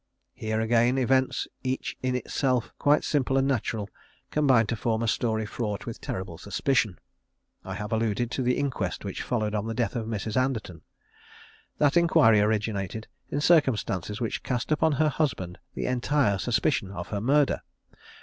Here again events each in itself quite simple and natural, combine to form a story fraught with terrible suspicion. I have alluded to the inquest which followed on the death of Mrs. Anderton. That inquiry originated in circumstances which cast upon her husband the entire suspicion of her murder.